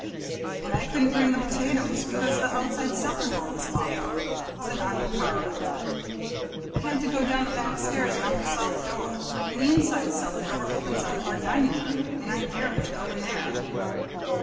"And I couldn't bring the potatoes, because the outside cellar door was locked," said Arnold Carruth. "I had to go down the back stairs and out the south door, and the inside cellar door opens out of our dining room, and I daren't go in there."